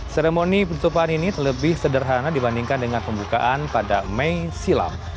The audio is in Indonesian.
seremoni penutupan ini terlebih sederhana dibandingkan dengan pembukaan pada mei silam